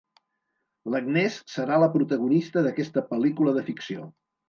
L'Agnès serà la protagonista d'aquesta pel·lícula de ficció.